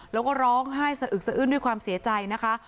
แล้วก็ร้องไห้สะอึกสะอื้นด้วยความเสียใจนะคะ